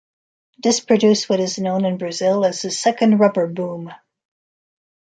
This produced what is known in Brazil as the "second rubber boom".